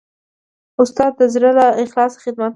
استاد د زړه له اخلاصه خدمت کوي.